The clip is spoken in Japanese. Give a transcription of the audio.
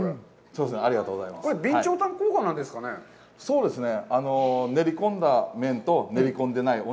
そうなんですね。